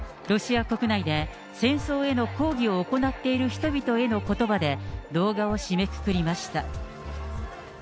ロシア国内で戦争への抗議を行っている人々へのことばで動画を締めくくりました。